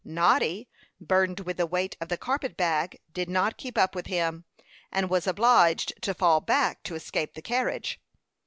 Noddy, burdened with the weight of the carpet bag, did not keep up with him, and he was obliged to fall back to escape the carriage.